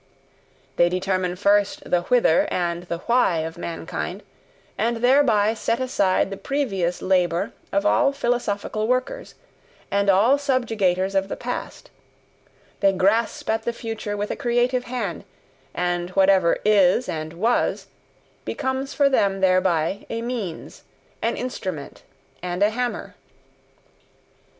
They determine first the Whither and the Why of mankind, and thereby set aside the previous labour of all philosophical workers, and all subjugators of the past they grasp at the future with a creative hand, and whatever is and was, becomes for them thereby a means, an instrument, and a hammer.